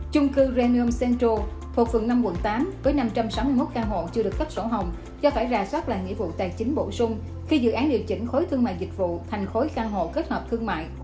chung cư renom central thuộc phường năm quận tám với năm trăm sáu mươi một căn hộ chưa được cấp sổ hồng do phải rà soát lại nghĩa vụ tài chính bổ sung khi dự án điều chỉnh khối thương mại dịch vụ thành khối căn hộ kết hợp thương mại